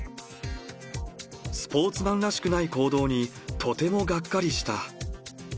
スポーツマンらしくない行動に、とてもがっかりした。